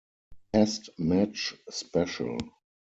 "Test Match Special".